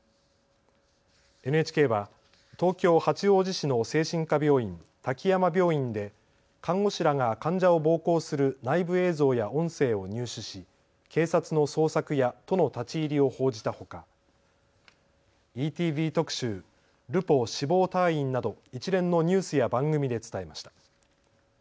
ＮＨＫは東京八王子市の精神科病院、滝山病院で看護師らが患者を暴行する内部映像や音声を入手し警察の捜索や都の立ち入りを報じたほかＥＴＶ特集、ルポ死亡退院など一連のニュースや番組で伝えました。